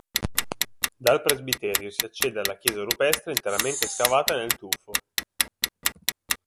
Dal presbiterio si accede alla chiesa rupestre interamente scavata nel tufo.